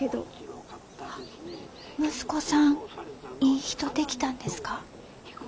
あ息子さんいい人できたんですか？